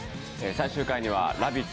最終回には「ラヴィット！」